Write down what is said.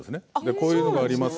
こういうのがあります